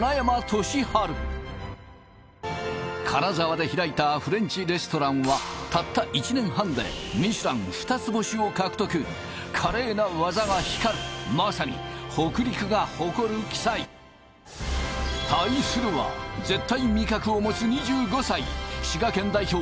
利治金沢で開いたフレンチレストランはたった１年半でミシュラン二つ星を獲得華麗な技が光るまさに対するは絶対味覚を持つ２５歳滋賀県代表